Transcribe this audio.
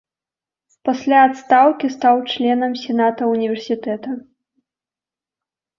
Пасля адстаўкі стаў членам сената ўніверсітэта.